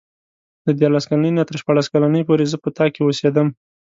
له دیارلس کلنۍ نه تر شپاړس کلنۍ پورې زه په تا کې اوسېدم.